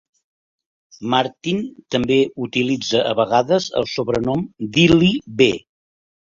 Martin també utilitza a vegades el sobrenom d'"Illy B".